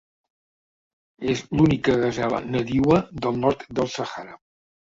És l'única gasela nadiua del nord del Sàhara.